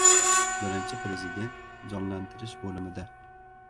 Birinchi prezident jonlantirish bo‘limida